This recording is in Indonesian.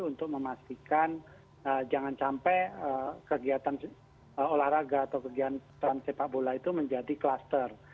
untuk memastikan jangan sampai kegiatan olahraga atau kegiatan sepak bola itu menjadi kluster